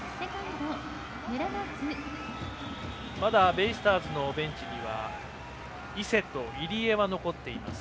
ベイスターズのベンチには伊勢と入江は残っています。